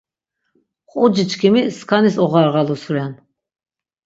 Quciçkimi skanis oğarğalus ren.